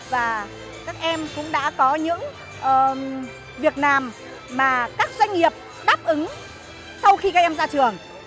và các em cũng đã có những việc làm mà các doanh nghiệp đáp ứng sau khi các em ra trường